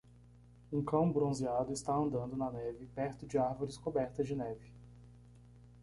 Um cão bronzeado está andando na neve perto de árvores cobertas de neve.